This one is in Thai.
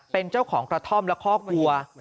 เป็นเจ้าของกระท่อมและครอบครัว